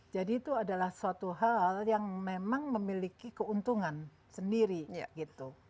jadi itu adalah suatu hal yang memang memiliki keuntungan sendiri